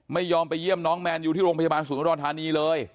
ไม่ยอมไปเยี่ยมน้องแมนยูที่โรงพยาบาลศูนย์อุดรธานีเลย